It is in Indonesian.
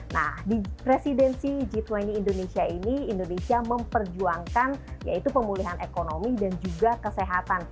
nah di presidensi g dua puluh indonesia ini indonesia memperjuangkan yaitu pemulihan ekonomi dan juga kesehatan